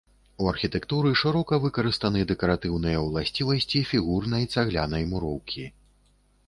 У архітэктуры шырока выкарыстаны дэкаратыўныя ўласцівасці фігурнай цаглянай муроўкі.